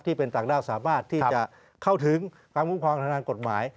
ที่เป็นต่างด้าวสามารถที่จะเข้าถึงความคุ้มครองทางกฎหมาย